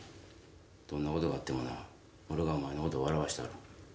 どんなことがあってもな、俺がお前のことを笑わしたる。